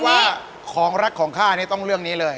คำคำว่าของรักของข้าต้องเรื่องนี้เลย